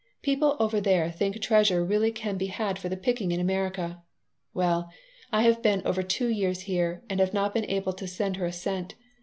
People over there think treasure can really be had for the picking in America. Well, I have been over two years here, and have not been able to send her a cent.